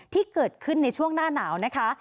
ที่เกิดขึ้นในช่วงหน้าหนาวนะคะ